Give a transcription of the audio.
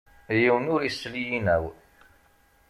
Yiwen ur issel i yinaw.